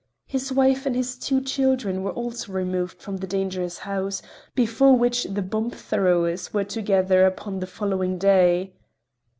His wife and his two children were also removed from the dangerous house, before which the bomb throwers were to gather upon the following day.